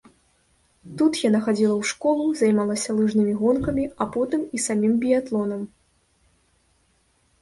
Тут яна хадзіла ў школу, займалася лыжнымі гонкамі, а потым і самім біятлонам.